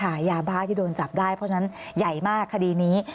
ยาบ้าที่โดนจับได้เพราะฉะนั้นใหญ่มากคดีนี้